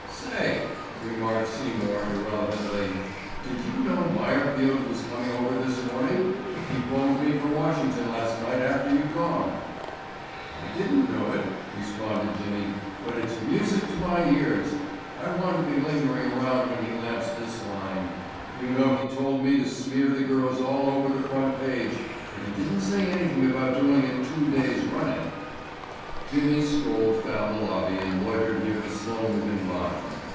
"Say," remarked Seymour irrelevantly, "did you know Meyerfield was coming over this morning? He phoned me from Washington last night after you'd gone." "I didn't know it," responded Jimmy, "but it's music to my ears. I want to be lingering around when he lamps this line. You know he told me to smear the girls all over the front page, but he didn't say anything about doing it two days running." Jimmy strolled down the lobby and loitered near the slow moving line.